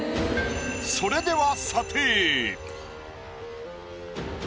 それでは。